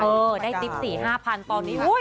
เปิดได้ติ๊บสี่ห้าพันตอนนี้